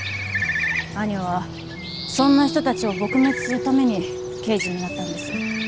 兄はそんな人たちを撲滅するために刑事になったんです。